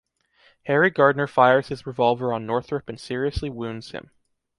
Harry Gardner fires his revolver on Northrop and seriously wounds him.